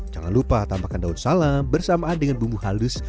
jangan lupa tambahkan daun salam bersamaan dengan bumbu halus